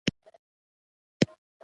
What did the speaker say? مرغۍ هګۍ اچوي.